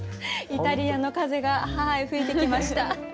イタリアの風が吹いてきました。